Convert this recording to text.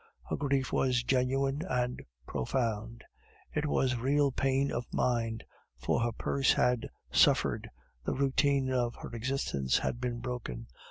Her grief was genuine and profound; it was real pain of mind, for her purse had suffered, the routine of her existence had been broken.